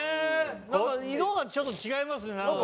なんか色がちょっと違いますよねなんかね。